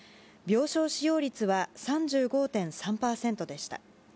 病床使用率は３５．３％でした。